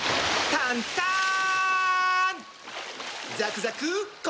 タンターン！